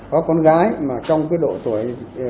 có con gái mà trong cái độ tuổi